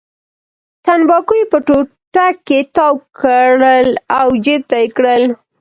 تنباکو یې په ټوټه کې تاو کړل او جېب ته یې کړل.